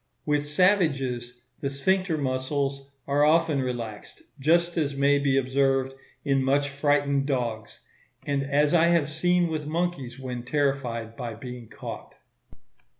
With savages, the sphincter muscles are often relaxed, just as may be observed in much frightened dogs, and as I have seen with monkeys when terrified by being caught.